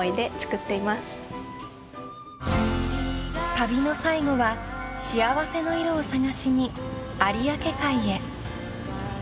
［旅の最後は幸せの色を探しに有明海へ］